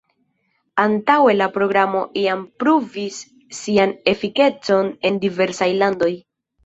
Antaŭe la Programo jam pruvis sian efikecon en diversaj landoj.